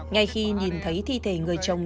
ngay khi nhìn thấy thi thể người chồng